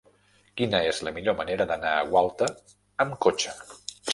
Quina és la millor manera d'anar a Gualta amb cotxe?